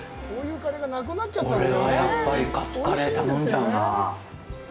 これは、やっぱりカツカレー、頼んじゃうな。